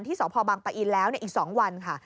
สพบังปะอินแล้วอีก๒วันค่ะ